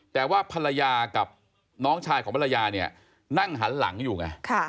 แต่ว่าภรรยากับน้องชายของภรรยาเนี่ยนั่งหันหลังอยู่ไง